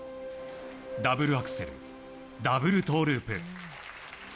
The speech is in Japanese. ダブルアクセルダブルトウループ。